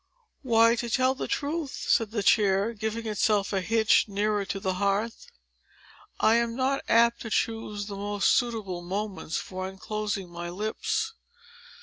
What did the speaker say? "Why, to tell you the truth," said the chair, giving itself a hitch nearer to the hearth, "I am not apt to choose the most suitable moments for unclosing my lips.